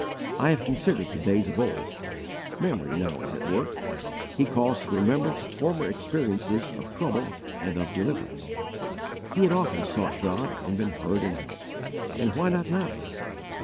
"I have considered the days of old." Memory now is at work. He calls to remembrance former experiences of trouble and of deliverance. He had often sought God and been heard and helped, and why not now?